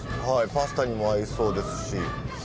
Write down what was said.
パスタにも合いそうですし。